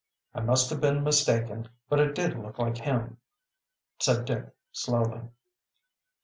"I must have been mistaken. But it did look like him," said Dick slowly.